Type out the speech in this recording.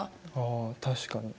あ確かに。